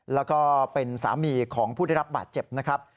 แล้วก็เป็นสามีของผู้ได้รับบาดเจ็บนะครับ